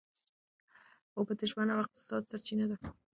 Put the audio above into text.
اوبه د ژوند او اقتصاد سرچینه ده.